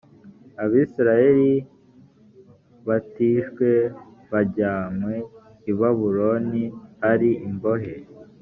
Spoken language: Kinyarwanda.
abisirayeli batishwe bajyanywe i babuloni ari imbohe